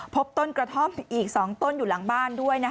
พบต้นกระท่อมอีก๒ต้นอยู่หลังบ้านด้วย